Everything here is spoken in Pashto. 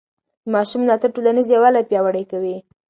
د ماشوم ملاتړ ټولنیز یووالی پیاوړی کوي.